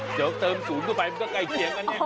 เดี๋ยวเติมศูนย์เข้าไปมันก็ใกล้เคียงกันแน่